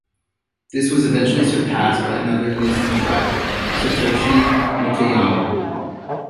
This was eventually surpassed by another Nismo driver, Satoshi Motoyama.